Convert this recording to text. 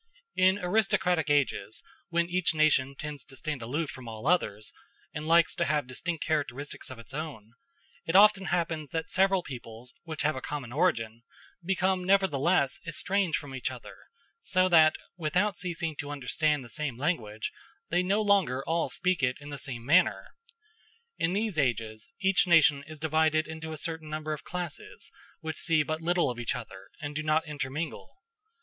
In aristocratic ages, when each nation tends to stand aloof from all others and likes to have distinct characteristics of its own, it often happens that several peoples which have a common origin become nevertheless estranged from each other, so that, without ceasing to understand the same language, they no longer all speak it in the same manner. In these ages each nation is divided into a certain number of classes, which see but little of each other, and do not intermingle.